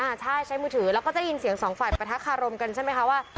ใช่ใช้มือถือแล้วก็ได้ยินเสียงสองฝ่ายประทะคารมกันใช่ไหมคะว่า